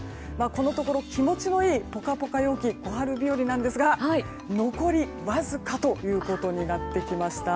このところ気持ちのいいポカポカ陽気小春日和なんですが残りわずかということになってきました。